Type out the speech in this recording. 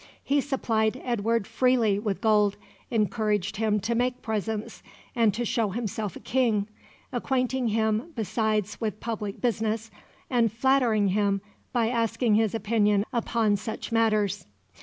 He supplied Edward freely with gold, encouraged him to make presents, and to show himself a King; acquainting him besides with public business, and flattering him by asking his opinion upon such matters.